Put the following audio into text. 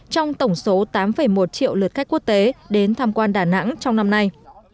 trong tổng số tám một triệu lượt khách quốc tế đến tham quan đà nẵng trong năm nay